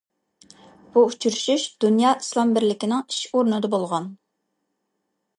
بۇ ئۇچرىشىش دۇنيا ئىسلام بىرلىكىنىڭ ئىش ئورنىدا بولغان.